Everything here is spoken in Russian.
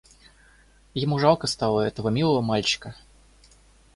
Ему жалко стало этого милого мальчика.